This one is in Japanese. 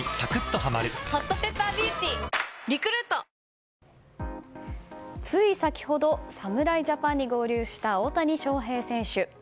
「システマ」つい先ほど侍ジャパンに合流した大谷翔平選手。